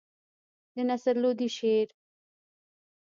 د نصر لودي شعر.